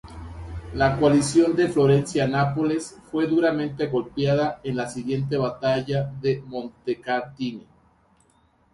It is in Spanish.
La coalición de Florencia-Nápoles fue duramente golpeada en la siguiente Batalla de Montecatini.